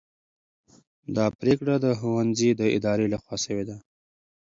دا پرېکړه د ښوونځي د ادارې لخوا سوې ده.